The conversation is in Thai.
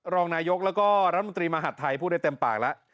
รองนายกแล้วก็รัฐมนตรีมหาดไทยพูดได้เต็มปากแล้ว